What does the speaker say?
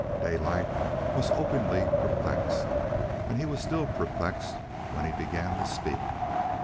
Daylight was openly perplexed, and he was still perplexed when he began to speak.